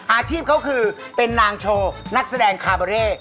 อาชีพเขาคือเป็นนางโชว์นักแสดงคาเบอร์เร่